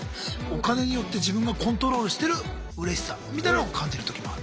お金によって自分がコントロールしてるうれしさみたいのを感じるときもある。